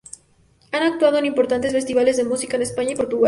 Han actuado en importantes festivales de música en España y Portugal.